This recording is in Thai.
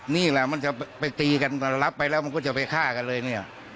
นี่แหละมันจะไปตีกันรับไปแล้วมันก็จะไปฆ่ากันเลยเนี่ย